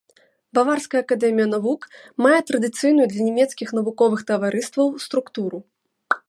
Баварская акадэмія навук мае традыцыйную для нямецкіх навуковых таварыстваў структуру.